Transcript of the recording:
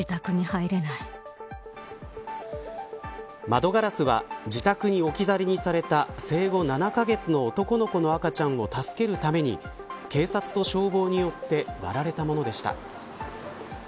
窓ガラスは自宅に置き去りにされた生後７カ月の男の子の赤ちゃんを助けるために警察と消防によって割られたものでした。